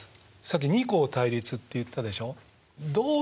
さっき二項対立って言ったでしょう？